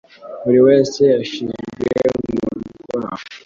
Buri wese yashizwe mu rwango;